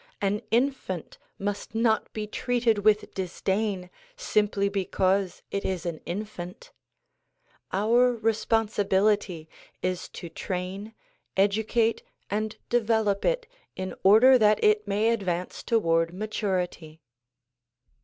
An in fant must not be treated with disdain simply because it is an in fant. Our responsibility is to train, educate and develop it in order that it may advance toward maturity.